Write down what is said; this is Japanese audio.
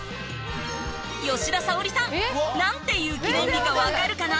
吉田沙保里さんなんていう記念日かわかるかな？